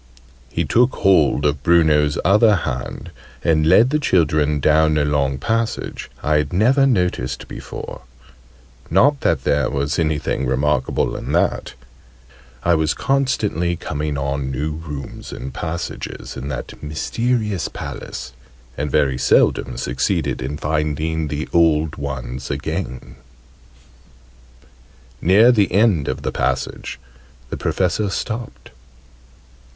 He took hold of Bruno's other hand; and led the children down a long passage I had never noticed before not that there was anything remarkable in that: I was constantly coming on new rooms and passages in that mysterious Palace, and very seldom succeeded in finding the old ones again. Near the end of the passage the Professor stopped.